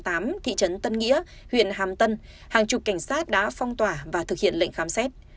thị trấn tân nghĩa huyện hàm tân hàng chục cảnh sát đã phong tỏa và thực hiện lệnh khám xét